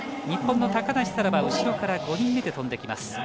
日本の高梨沙羅は後ろから５人目で飛んできます。